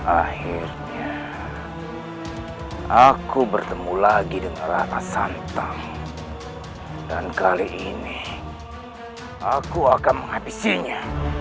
akhirnya aku bertemu lagi dengan rata santam dan kali ini aku akan menghabisinya